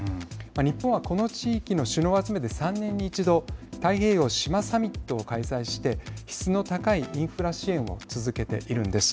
日本はこの地域の首脳を集めて３年に一度太平洋・島サミットを開催して質の高いインフラ支援を続けているんです。